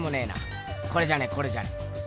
これじゃねえこれじゃねえ。